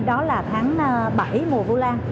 đó là tháng bảy mùa vu lan